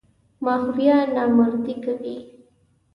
ماهویه نامردي کوي.